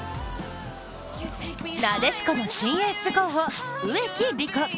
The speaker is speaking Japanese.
なでしこの新エース候補、植木理子。